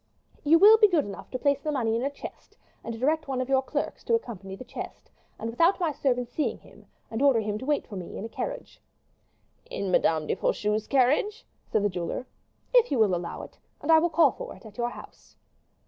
"You will be good enough to place the money in a chest, and direct one of your clerks to accompany the chest, and without my servants seeing him; and order him to wait for me in a carriage." "In Madame de Faucheux's carriage?" said the jeweler. "If you will allow it, and I will call for it at your house."